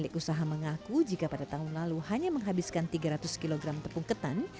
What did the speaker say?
pemilik usaha mengaku jika pada tahun lalu hanya menghabiskan tiga ratus kg tepung ketan